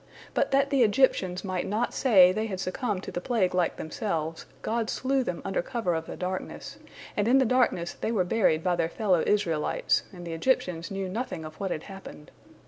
But that the Egyptians might not say they had succumbed to the plague like themselves, God slew them under cover of the darkness, and in the darkness they were buried by their fellow Israelites, and the Egyptians knew nothing of what had happened.